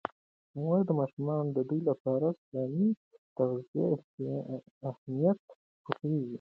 مور د ماشومانو د ودې لپاره د سالمې تغذیې اهمیت پوهیږي.